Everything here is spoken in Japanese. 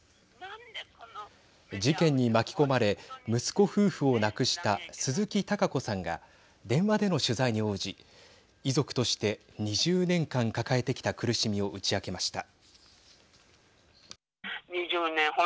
事件に巻き込まれ息子夫婦を亡くした鈴木孝子さんが電話での取材に応じ遺族として２０年間抱えてきた苦しみを打ち明けました。